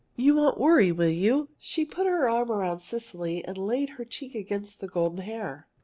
You won't worry, will you?" She put her arm around Cecily and laid her cheek against the golden hair.